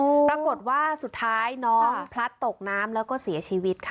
ปรากฏว่าสุดท้ายน้องพลัดตกน้ำแล้วก็เสียชีวิตค่ะ